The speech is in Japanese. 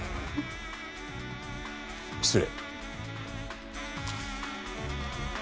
失礼。